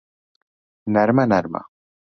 نەرمە نەرمە